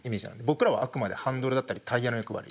僕らはあくまでハンドルだったりタイヤの役割。